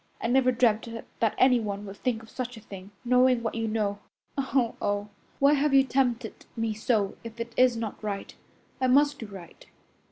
I never dreamt that anyone would think of such a thing, knowing what you know. Oh, oh! Why have you tempted me so if it is not right? I must do right.